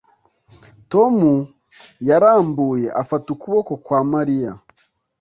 Tom yarambuye afata ukuboko kwa Mariya